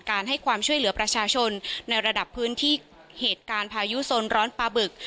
ให้ความช่วยเหลือประชาชนในระดับพื้นที่เหตุการณ์พายุโซนร้อนปลาบึก